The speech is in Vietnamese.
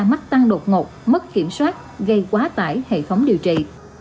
bối cả mắc tăng đột ngột mất kiểm soát gây quá tải hệ thống điều trị